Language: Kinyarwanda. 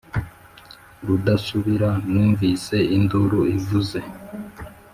rudasubira numvise induru ivuze,